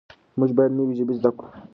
موږ باید نوې ژبې زده کړو.